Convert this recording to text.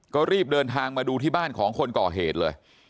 ก็รีบเดินทางมาดูที่บ้านของคนก่อเหตุเลย